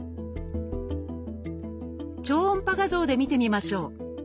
超音波画像で見てみましょう。